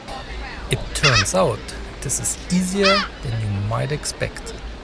It turns out this is easier than you might expect.